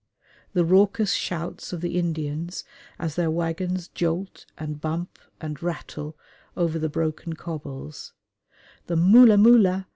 The raucous shouts of the Indians as their waggons jolt and bump and rattle over the broken cobbles: the "_Mūla mūla!